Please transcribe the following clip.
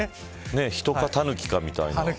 人かタヌキかみたいな。